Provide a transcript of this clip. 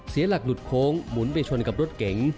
เสียหลักหลุดโค้งหมุนไปชนกับรถเก๋ง